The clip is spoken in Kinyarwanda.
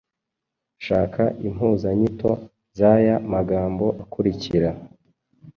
Shaka impuzanyito z’aya magambo akurikira: